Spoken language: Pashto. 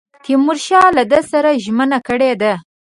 تیمورشاه له ده سره ژمنه کړې ده.